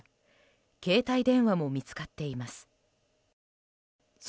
携帯電話も見つかっています。